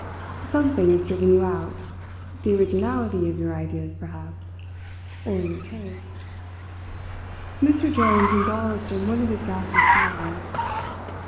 "Something has driven you out the originality of your ideas, perhaps. Or your tastes." Mr Jones indulged in one of his ghastly smiles.